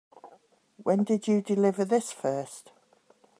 When did you deliver this first?